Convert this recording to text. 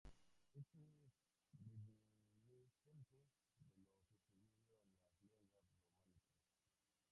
Esto es reminiscente de lo sucedido en las lenguas románicas.